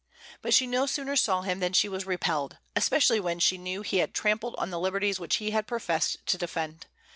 But she no sooner saw him than she was repelled, especially when she knew he had trampled on the liberties which he had professed to defend.